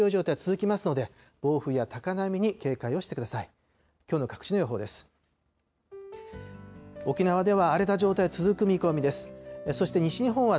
きょうの各地の予報です。